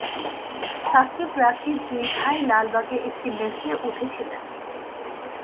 সাকিব রাকিব দুই ভাই লালবাগে একটি মেসে উঠেছিলেন।